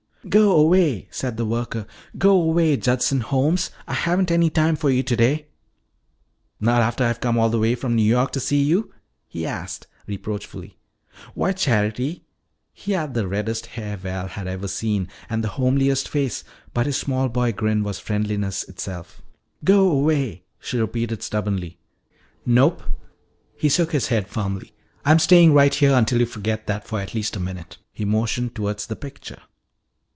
"Go away," said the worker, "go away, Judson Holmes. I haven't any time for you today." "Not after I've come all the way from New York to see you?" he asked reproachfully. "Why, Charity!" He had the reddest hair Val had ever seen and the homeliest face but his small boy grin was friendliness itself. "Go away," she repeated stubbornly. "Nope!" He shook his head firmly. "I'm staying right here until you forget that for at least a minute." He motioned toward the picture.